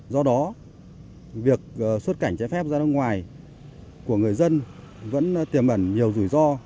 do đó việc xuất cảnh trái phép ra nước ngoài của người dân vẫn tiềm ẩn nhiều rủi ro